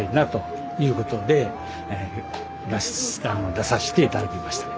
出させていただきましたね。